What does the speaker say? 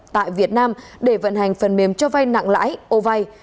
tại việt nam để vận hành phần mềm cho vay nặng lãi ô vay